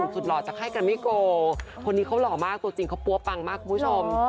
สุดหล่อแต่ค่อยกันไม่โกคนนี้เขาเหล่ามากสูตรจริงใบเขาปั๊วปังคุณผู้ชม